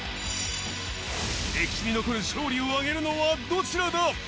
歴史に残る勝利を挙げるのはどちらだ。